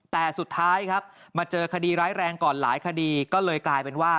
แต่สุดท้ายครับมาเจอคดีร้ายแรงก่อนหลายคดีก็เลยกลายเป็นว่า